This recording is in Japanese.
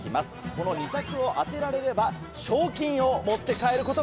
この２択を当てられれば賞金を持って帰ることができます。